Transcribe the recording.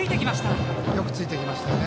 よくついていきましたね。